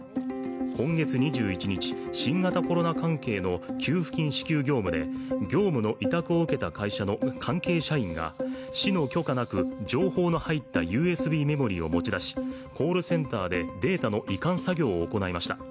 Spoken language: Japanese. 今月２１日、新型コロナ関係の給付金支給業務で業務の委託を受けた関係社員が市の許可なく情報の入ったＵＳＢメモリーを持ち出しコールセンターでデータの移管作業を行いました。